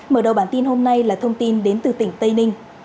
mở đầu bản tin hôm nay là thông tin đến từ tỉnh tây ninh